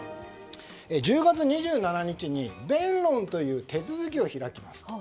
１０月２７日に弁論という手続きを開きますと。